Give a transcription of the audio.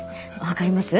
分かります？